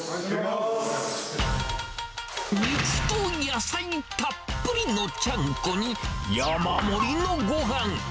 肉と野菜たっぷりのちゃんこに、山盛りのごはん。